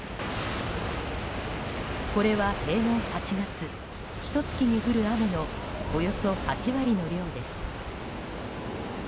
これは平年８月ひと月に降る雨のおよそ８割の量です。